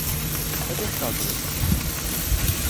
Kadeh kaldıralım.